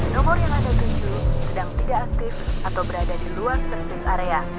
nomor yang ada tujuh sedang tidak aktif atau berada di luar servis area